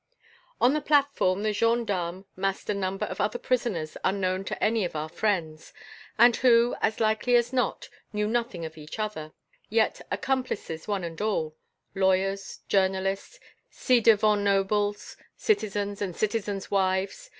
On the platform the gendarmes massed a number of other prisoners unknown to any of our friends, and who, as likely as not, knew nothing of each other, yet accomplices one and all, lawyers, journalists, ci devant nobles, citizens, and citizens' wives.